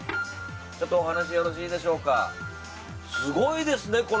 ちょっとお話よろしいでしょうかすごいですね